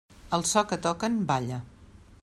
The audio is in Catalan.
Al so que toquen, balla.